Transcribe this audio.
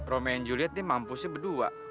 romeo dan julietnya mampusnya berdua